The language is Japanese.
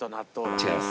違います。